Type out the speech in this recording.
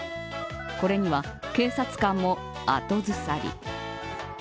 これには警察官も後ずさり。